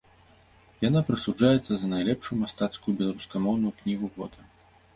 Яна прысуджаецца за найлепшую мастацкую беларускамоўную кнігу года.